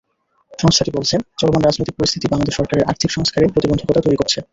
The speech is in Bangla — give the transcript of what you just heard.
সংস্থাটি বলছে, চলমান রাজনৈতিক পরিস্থিতি বাংলাদেশ সরকারের আর্থিক সংস্কারে প্রতিবন্ধকতা তৈরি করছে।